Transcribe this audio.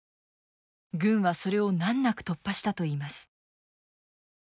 軍はそれを難なく突破したといいます。